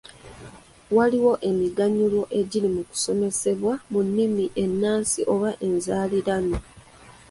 Waliwo emiganyulwo egiri mu kusomesebwa mu nnimi ennansi oba enzaaliranwa.